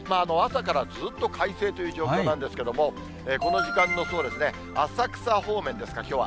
さあ、とってもいいお天気、朝からずっと快晴という状況なんですけれども、この時間の浅草方面ですか、きょうは。